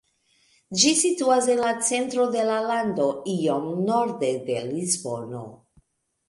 Ĝi situas en la centro de la lando iom norde de Lisbono.